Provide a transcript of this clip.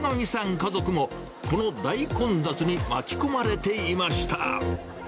家族も、この大混雑に巻き込まれていました。